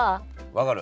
分かる。